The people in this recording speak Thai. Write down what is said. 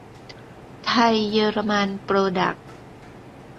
ไทย-เยอรมัน โปรดักส์